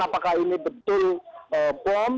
apakah ini betul bom